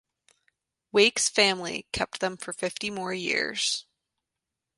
Weik's family kept them for fifty more years.